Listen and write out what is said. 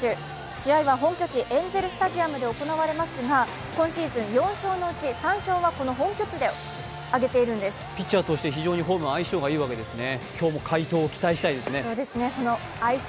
試合は本拠地・エンゼルスタジアムで行われますが今シーズン４勝のうち３勝はピッチャーとしてホーム、相性がいいんですね。